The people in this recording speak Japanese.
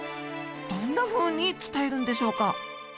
どんなふうに伝えるんでしょうか？